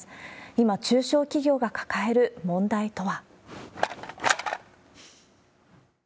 今、中小企業が抱える問題とは。